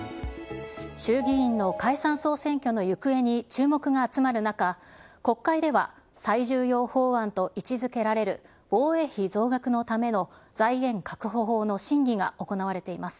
衆議院の解散総選挙の行方に注目が集まる中、国会では最重要法案と位置づけられる防衛費増額のための財源確保法の審議が行われています。